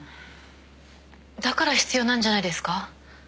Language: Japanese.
だから必要なんじゃないですか？